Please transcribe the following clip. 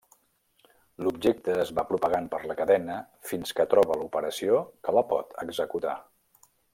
L'objecte es va propagant per la cadena fins que troba l'operació que la pot executar.